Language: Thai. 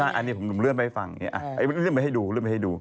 ใช่อันนี้ผมเลื่อนไปให้ฟังเลื่อนไปให้ดูเลื่อนไปให้ดู